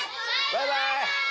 バイバイ！